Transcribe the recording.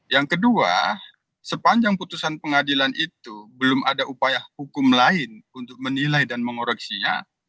yang kedua sepanjang putusan pengadilan itu belum ada upaya hukum lain untuk menilai dan mengoreksinya